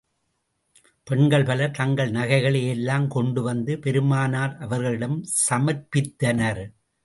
பெண்கள் பலர், தங்கள் நகைகளை எல்லாம் கொண்டு வந்து, பெருமானார் அவர்களிடம் சமர்ப்பித்தனர்.